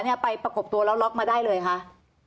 เราก็ไปประกอบตัวแล้วล็อกมาได้เลยครับ